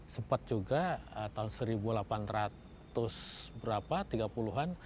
sempat juga tahun seribu delapan ratus berapa tiga puluh an